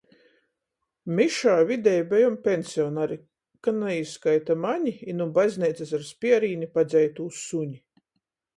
Mišā videji bejom pensionari, ka naīskaita mani i nu bazneicys ar spierīni padzeitū suni.